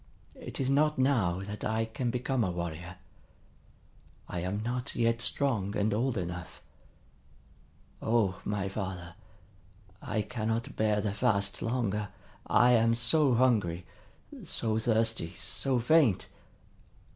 It is not now that I can become a warrior. I am not yet strong and old enough. O my father, I cannot bear the fast longer! I am so hungry, so thirsty, so faint!